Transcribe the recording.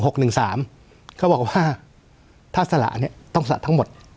เขาบอกว่าถ้าสละเนี่ยต้องสละทั้งหมด